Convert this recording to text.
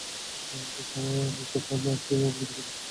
এ কথা মা কিভাবে ভুলতে পারে?